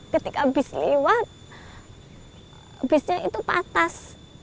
ketika bis lewat bisnya itu patah